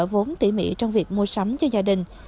vốn tỉ mỉ trong việc mua sắm cho gia đình